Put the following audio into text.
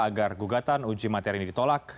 agar gugatan uji materi ini ditolak